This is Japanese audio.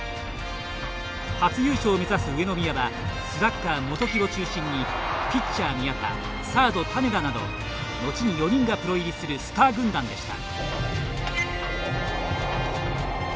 初優勝を目指す上宮はスラッガー元木を中心にピッチャー宮田サード種田などのちに４人がプロ入りするスター軍団でした。